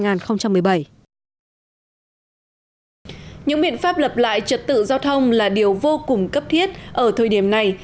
những biện pháp lập lại trật tự giao thông là điều vô cùng cấp thiết ở thời điểm này